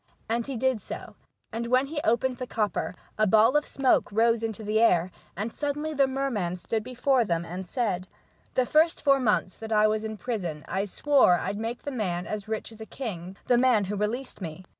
And he did so, and when he opened the copper a ball of smoke rose into the air, and suddenly the merman stood before them, and said :" The first four months that I was in prison, I swore I'd make the man as rich as a king, The man who released me.